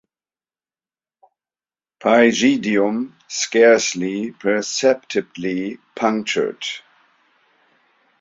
Pygidium scarcely perceptibly punctured.